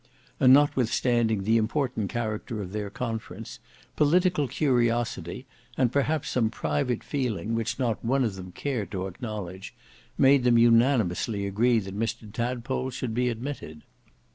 And notwithstanding the important character of their conference, political curiosity and perhaps some private feeling which not one of them cared to acknowledge, made them unanimously agree that Mr Tadpole should be admitted.